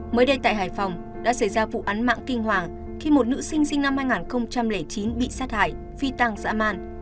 mới đây tại hải phòng đã xảy ra vụ án mạng kinh hoàng khi một nữ sinh năm hai nghìn chín bị sát hại phi tăng dã man